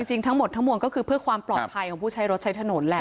จริงทั้งหมดทั้งมวลก็คือเพื่อความปลอดภัยของผู้ใช้รถใช้ถนนแหละ